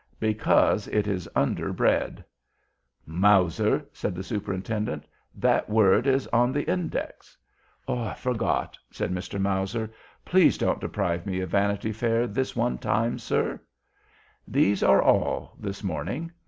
Because it is under bread." "Mowzer!" said the Superintendent, "that word is on the Index!" "I forgot," said Mr. Mowzer; "please don't deprive me of Vanity Fair this one time, sir." "These are all, this morning.